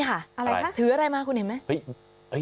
อะไรคะถืออะไรมาคุณเห็นไหม